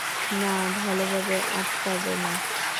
না, ভালোভাবে আটকাবে না।